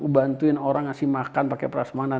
bantuin orang ngasih makan pakai peras mana